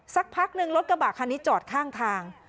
สักพักหนึ่งรถกระบะคันนี้จอดข้างทาง